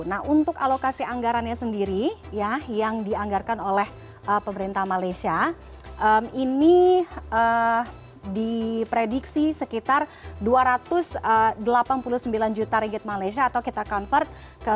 nah untuk alokasi anggarannya sendiri ya yang dianggarkan oleh pemerintah malaysia ini diprediksi sekitar dua ratus delapan puluh sembilan juta regit malaysia atau kita convert